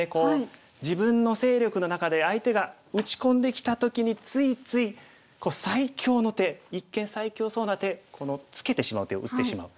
自分の勢力の中で相手が打ち込んできた時についつい最強の手一見最強そうな手このツケてしまう手を打ってしまう。